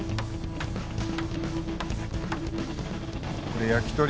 これ焼き鳥。